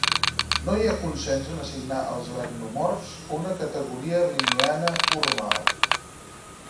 No hi ha consens en assignar als aracnomorfs una categoria linneana formal.